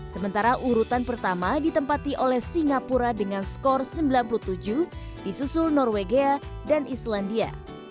sementara urutan pertama ditempati oleh singapura dengan skor sembilan puluh tujuh di susul norwegia dan islandia